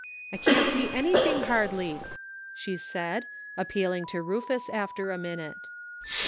" I can't see anything hardly," she said, appealing to Rufus after a minute.